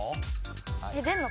ええ出んの？